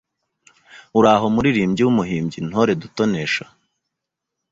Uraho muririmbyi w'umuhimby ntore dutonesha